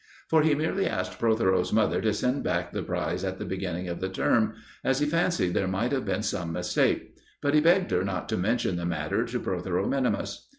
For he merely asked Protheroe's mother to send back the prize at the beginning of the term, as he fancied there might have been some mistake; but he begged her not to mention the matter to Protheroe minimus.